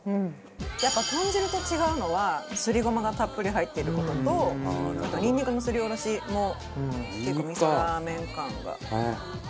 やっぱ豚汁と違うのはすりごまがたっぷり入っている事とニンニクのすりおろしも結構味噌ラーメン感が多いのかな。